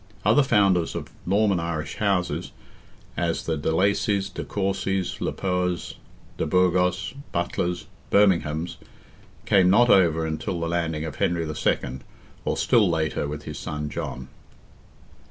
Other founders of Norman Irish houses, as the de Lacies, de Courcies, le Poers, de Burgos, Butlers, Berminghams, came not over until the landing of Henry II., or still later, with his son John.